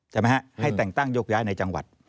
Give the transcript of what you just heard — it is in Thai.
ใช่ไหมฮะให้แต่งตั้งโยกย้ายในจังหวัด